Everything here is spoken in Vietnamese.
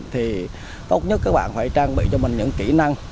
thì tốt nhất các bạn phải trang bị cho mình những kỹ năng